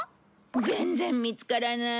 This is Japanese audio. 全然見つからない。